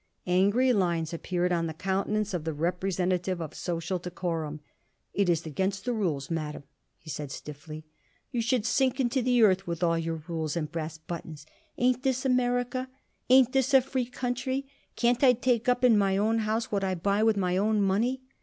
Angry lines appeared on the countenance of the representative of social decorum. "It is against the rules, Madam," he said stiffly. "You should sink into the earth with all your rules and brass buttons. Ain't this America? Ain't this a free country? Can't I take up in my own house what I buy with my own money?"